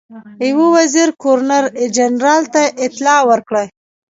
یو وزیر ګورنر جنرال ته اطلاع ورکړه.